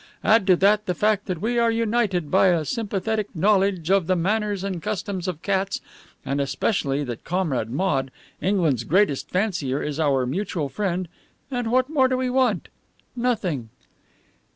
Add to that the fact that we are united by a sympathetic knowledge of the manners and customs of cats, and especially that Comrade Maude, England's greatest fancier, is our mutual friend, and what more do we want? Nothing."